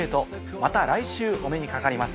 また来週お目にかかります。